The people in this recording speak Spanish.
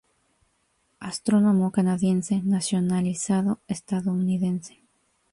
Astrónomo canadiense, nacionalizado estadounidense.